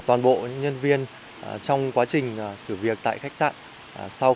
toàn bộ nhân viên trong quá trình thử việc tại khách sạn sau